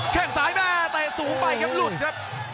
แค่งซ้ายแม่เตะสูงไปครับหลุดครับ